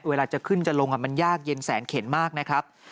เวลาจะขึ้นจะลงมันยากเย็นแสนเข็นมากนะครับ